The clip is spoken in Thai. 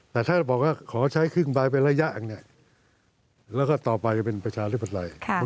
แต่ถ้าบอกว่าขอใช้ครึ่งบายเป็นระยะอย่างนี้แล้วก็ต่อไปจะเป็นประชาชนได้ปัจจัย